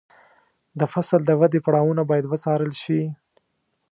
د فصل د ودې پړاوونه باید وڅارل شي.